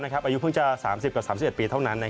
อายุเพิ่งจะ๓๐กับ๓๑ปีเท่านั้น